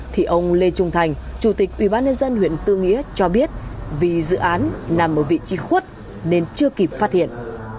thì ông lê trung thành chủ tịch ubnd huyện tư nghĩa cho biết vì dự án nằm ở vị trí khuất nên chưa kịp phát hiện